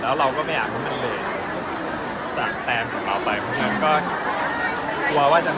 แล้วก็ตอนนี้คิวผมได้ถ่ายหลักในแทนนั่ง